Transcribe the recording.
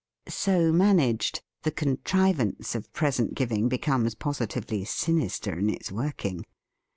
So man aged, the contrivance of present giving becomes positively sinister in its work ing.